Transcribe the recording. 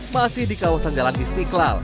masih di kawasan jalan istiqlal